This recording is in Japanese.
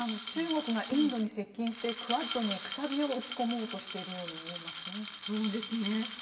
中国がインドに接近してクアッドに楔を打ち込もうとしているように見えますね。